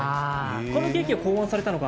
このケーキを考案されたのは？